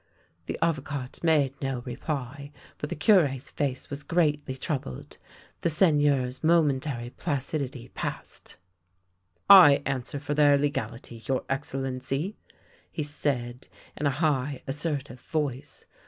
The Avocat made no reply, but the Cure's face was greatly troubled. The Seigneur's momentary placid ity passed. " I answer for their legality, your Excellency," he said, in a high, assertive voice.